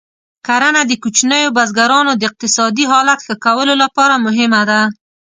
کرنه د کوچنیو بزګرانو د اقتصادي حالت ښه کولو لپاره مهمه ده.